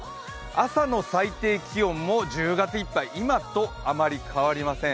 朝の最低気温も１０月いっぱい、今とあまり変わりません。